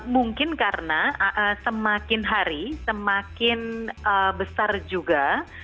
mungkin karena semakin hari semakin besar juga